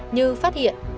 như phát hiện